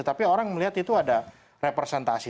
tapi orang melihat itu ada representasi